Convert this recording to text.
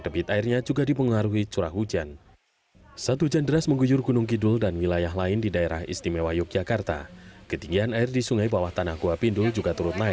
pindul juga turut naik